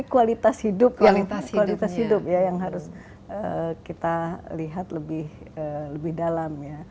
kualitas hidup yang harus kita lihat lebih dalam